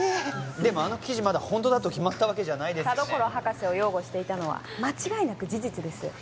でもあの記事まだホントだと決まったわけじゃないですよね田所博士を擁護していたのは間違いなく事実です